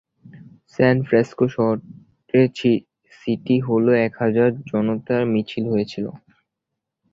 সান Francisco শহরে city হলে এক হাজার জনতার মিছিল হয়েছিল।